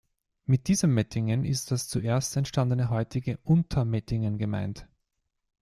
Mit diesem Mettingen ist das zuerst entstandene heutige "Unter"mettingen gemeint.